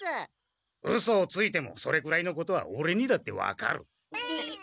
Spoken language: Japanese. うそをついてもそれぐらいのことはオレにだって分かる。